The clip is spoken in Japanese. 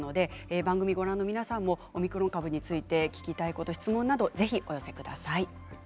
番組をご覧の皆さんもオミクロン株について聞きたいことがあったらぜひお寄せください。